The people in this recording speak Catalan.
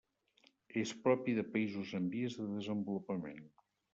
És propi de països en vies de desenvolupament.